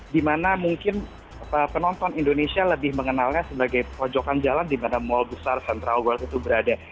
dimana mungkin penonton indonesia lebih mengenalnya sebagai pojokan jalan di mana mal besar central world itu berada